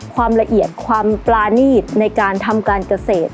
ความละเอียดความปรานีตในการทำการเกษตร